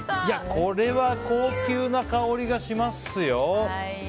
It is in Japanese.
これは高級な香りがしますよ。